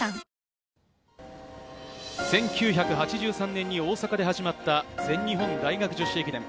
１９８３年に大阪で始まった全日本大学女子駅伝。